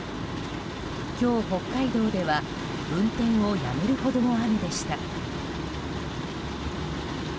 今日、北海道では運転をやめるほどの雨でした。